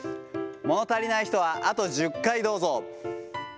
物足りない人はあと１０回どうぞ。